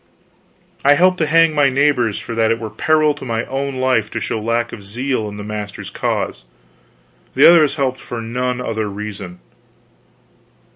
I helped to hang my neighbors for that it were peril to my own life to show lack of zeal in the master's cause; the others helped for none other reason.